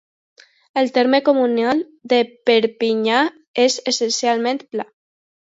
El terme comunal de Perpinyà és essencialment pla.